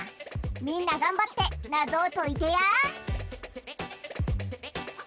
みんながんばってなぞをといてや。